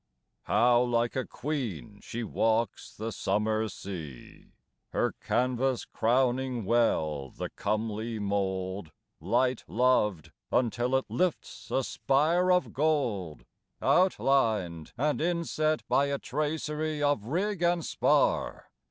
How like a queen she walks the summer sea; Her canvas crowning well the comely mold Light loved until it lifts a spire of gold Outlined and inset by a tracery Of rig and spar.